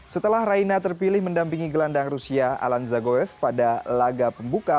setelah raina terpilih mendampingi gelandang rusia alan zagoev pada laga pembuka